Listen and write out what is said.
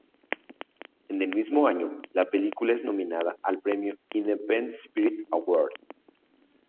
En el mismo año la película es nominada al premio Independent Spirit Award.